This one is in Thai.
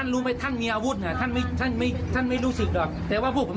รู้ไหมครับเกิดอะไรขึ้น